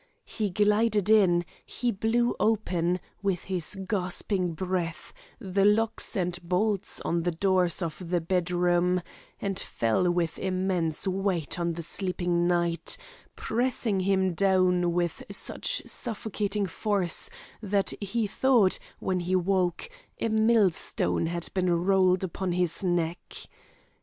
He glided in; he blew open, with his gasping breath, the locks and bolts on the doors of the bed room, and fell with immense weight on the sleeping knight, pressing him down with such suffocating force, that he thought, when he woke, a mill stone had been rolled upon his neck.